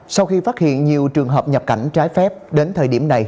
sau khi phát hiện nhiều trường hợp nhập cảnh trái phép đến thời điểm này